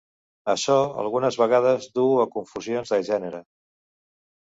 Açò algunes vegades duu a confusions de gènere.